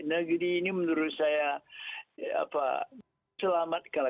negeri ini menurut saya selamatkan lah